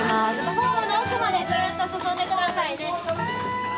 ホームの奥までずっと進んで下さいね。